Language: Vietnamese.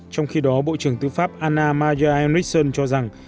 trong khi đó bộ trưởng tư pháp anna maja eunice cho rằng